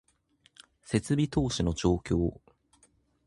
設備投資の状況